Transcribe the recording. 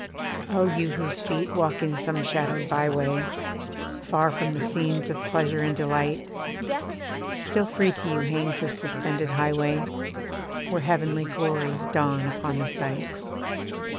Oh! you whose feet walk in some shadowed by way, Far from the scenes of pleasure and delight, Still free to you hangs this suspended highway, Where heavenly glories dawn upon the sight.